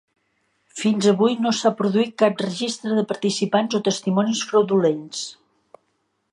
Fins avui, no s'ha produït cap registre de participants o testimonis fraudulents.